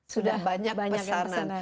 sudah banyak pesanan